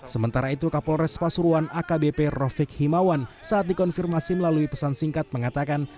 sementara itu kapolres pasuruan akbp rofik himawan saat dikonfirmasi melalui pesan singkat mengatakan